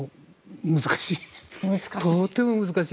難しい。